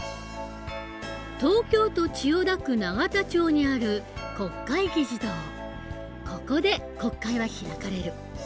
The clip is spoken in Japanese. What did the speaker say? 東京都千代田区永田町にあるここで国会は開かれる。